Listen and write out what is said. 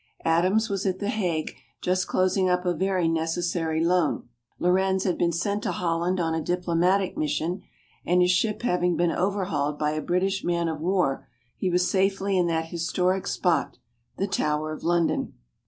Adams was at The Hague, just closing up a very necessary loan. Laurens had been sent to Holland on a diplomatic mission, and his ship having been overhauled by a British man of war, he was safely in that historic spot, the Tower of London.